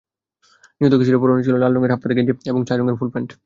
নিহত কিশোরের পরনে ছিল লাল রঙের হাফহাতা গেঞ্জি এবং ছাই রঙের ফুলপ্যান্ট।